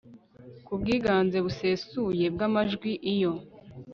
ku bwiganze busesuye bw amajwi Iyo